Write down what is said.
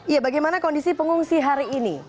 ya bagaimana kondisi pengungsi hari ini